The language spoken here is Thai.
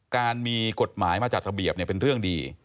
การมีกฎหมายมาจัดระเบียบเป็นเรื่องดี